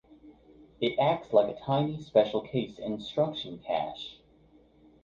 It acts like a tiny special-case instruction cache.